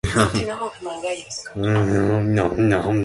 He has received four nominations and four wins.